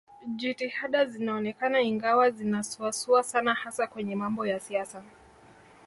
Jitihada zinaonekana ingawa zinasuasua sana hasa kwenye mambo ya siasa